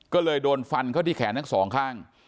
ก็เลยโดนฟันเข้าที่แขนทั้งสองข้าง